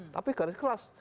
tapi garis keras